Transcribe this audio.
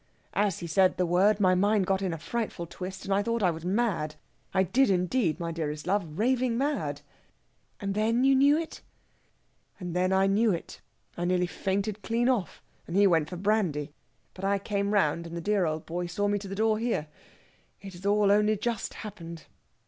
As he said the word my mind got a frightful twist, and I thought I was mad. I did, indeed, my dearest love raving mad!" "And then you knew it?" "And then I knew it. I nearly fainted clean off, and he went for brandy; but I came round, and the dear old boy saw me to this door here. It has all only just happened."